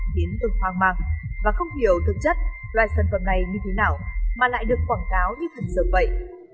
khiến tôi hoang mang và không hiểu thực chất loại sản phẩm này như thế nào mà lại được quảng cáo như thật sự vậy